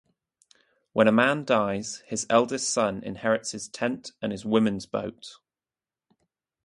When a man dies, his eldest son inherits his tent and his women's-boat.